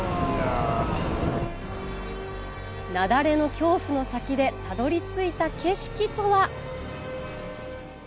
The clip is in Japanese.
雪崩の恐怖の先でたどりついた景色とは。